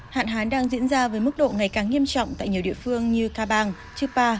hạn hán đang diễn ra với mức độ ngày càng nghiêm trọng tại nhiều địa phương như cà bang chư pa